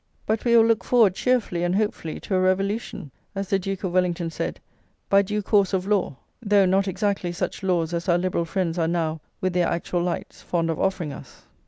But we will look forward cheerfully and hopefully to "a revolution," as the Duke of Wellington said, "by due course of law;" though not exactly such laws as our Liberal friends are now, with their actual lights, fond of offering us.